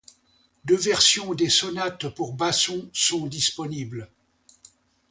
Deux versions des sonates pour basson sont disponibles.